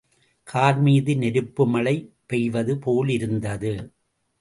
கார்மீது நெருப்பு மழை பெய்வது போலிருந்தது.